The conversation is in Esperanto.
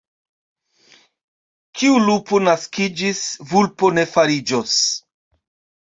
Kiu lupo naskiĝis, vulpo ne fariĝos.